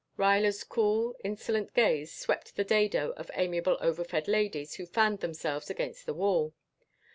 Ruyler's cool insolent gaze swept the dado of amiable overfed ladies who fanned themselves against the wall.